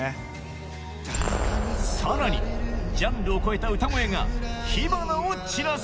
さらにジャンルを超えた歌声が火花を散らす